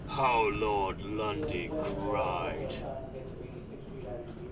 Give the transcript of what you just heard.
how Lord Lundy cried!